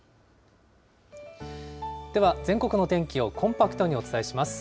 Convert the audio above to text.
では全国の天気をコンパクトにお伝えします。